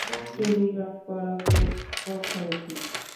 Telegraph করাও তো কম খরচা নয়।